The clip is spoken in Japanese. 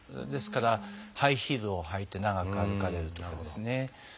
ですからハイヒールを履いて長く歩かれるとかですね